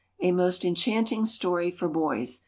_ "_A most enchanting story for boys.